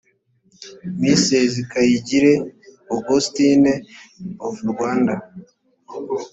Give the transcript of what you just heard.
mrs kayigire augustin of rwandan